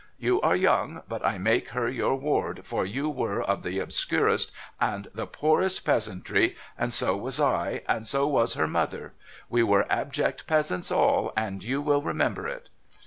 You are young, but I make her your ward, for you were of the obscurest and the poorest peasantry, and so was I, and so was her mother ; we were abject peasants all, and you will remember it."